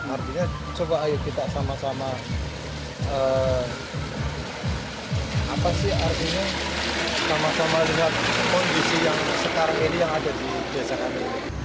artinya coba ayo kita sama sama apa sih artinya sama sama lihat kondisi yang sekarang ini yang ada di desa kami